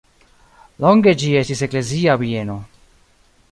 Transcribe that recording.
Longe ĝi estis eklezia bieno.